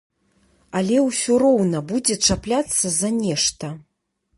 Але ўсё роўна будзеце чапляцца за нешта.